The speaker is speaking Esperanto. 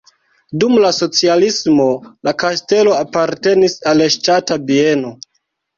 Dum la socialismo la kastelo apartenis al ŝtata bieno.